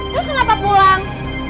terus kenapa pulang